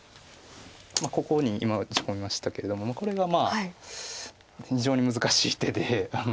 ここに今打ち込みましたけれどもこれがまあ非常に難しい手で。